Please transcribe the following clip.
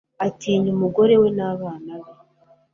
atinya umugore we n'abana be.